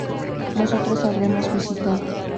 Nosotras habremos visitado